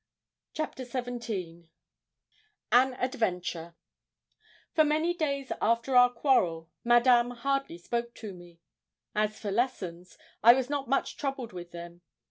CHAPTER XVII AN ADVENTURE For many days after our quarrel, Madame hardly spoke to me. As for lessons, I was not much troubled with them.